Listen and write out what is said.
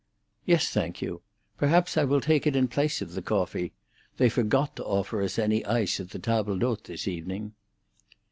"Yes, thank you. Perhaps I will take it in place of the coffee. They forgot to offer us any ice at the table d'hôte this evening."